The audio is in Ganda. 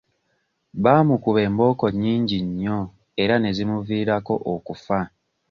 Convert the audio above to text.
Baamukuba embooko nnyingi nnyo era ne zimuviirako okufa.